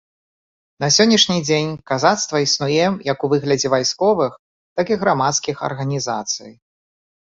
На сённяшні дзень казацтва існуе як у выглядзе вайсковых, так і грамадскіх арганізацый.